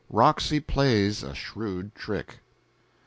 Roxy Plays a Shrewd Trick.